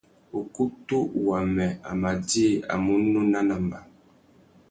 Ukutu wamê a má djï a munú nanamba.